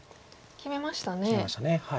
決めました。